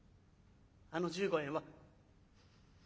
あの１５円は。